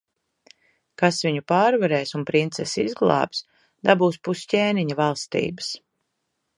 Kas viņu pārvarēs un princesi izglābs, dabūs pus ķēniņa valstības.